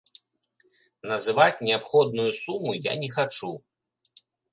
Называць неабходную суму я не хачу.